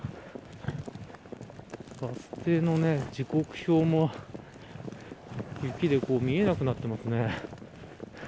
バス停の時刻表も雪で見えなくなってますね。